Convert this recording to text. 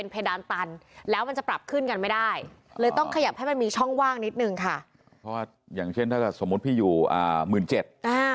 เพราะว่าอย่างเช่นถ้าสมมติพี่อยู่๑๗๐๐๐บาท